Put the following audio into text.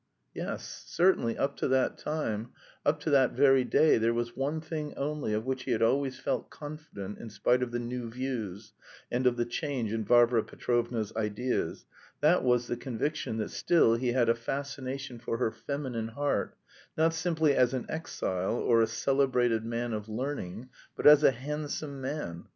Yes, certainly, up to that time, up to that very day there was one thing only of which he had always felt confident in spite of the "new views," and of the "change in Varvara Petrovna's ideas," that was, the conviction that still he had a fascination for her feminine heart, not simply as an exile or a celebrated man of learning, but as a handsome man.